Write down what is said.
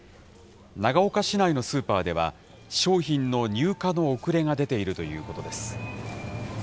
長岡市内のスーパーでは、商品の入荷の遅れが出ているということです。